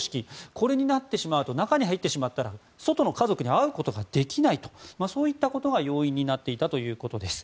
これになってしまうと中に入ってしまったら外の家族に会えないといったことが要因になっていたということです。